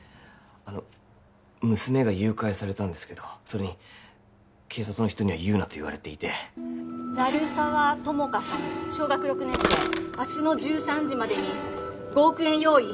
あの娘が誘拐されたんですけどそれに警察の人には言うなと言われていて鳴沢友果さん小学６年生明日の１３時までに５億円用意